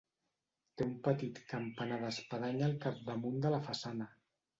Té un petit campanar d'espadanya al capdamunt de la façana.